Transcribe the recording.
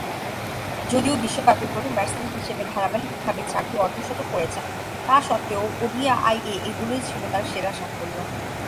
যদিও বিশ্বকাপে প্রথম ব্যাটসম্যান হিসেবে ধারাবাহিকভাবে চারটি অর্ধ-শতক করেছেন, তা স্বত্ত্বেও ওডিআইয়ে এগুলোই ছিল তার সেরা সাফল্য।